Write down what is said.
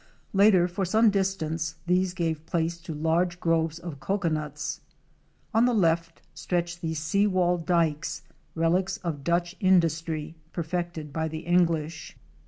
Later for some distance these give place to large groves of cocoanuts. On the left, stretch the seawall dykes, relics of Dutch in dustry, perfected by the English.